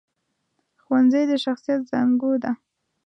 ښوونځی د شخصیت زانګو ده